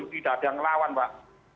tidak ada yang ngelawan mbak